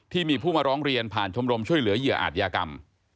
ที่มีผู้มาร้องเรียนผ่านชมรมช่วยเหลือเหยื่ออาจยากรรม